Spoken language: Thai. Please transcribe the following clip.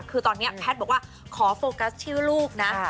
คือตอนนี้แพทย์บอกว่าขอโฟกัสชื่อลูกนะ